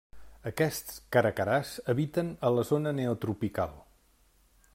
Aquests caracaràs habiten a la zona neotropical.